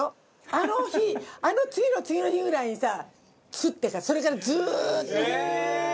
あの日あの次の次の日ぐらいにさ作ってからそれから、ずーっと！